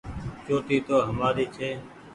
چوٽي تو همآري ڇي ۔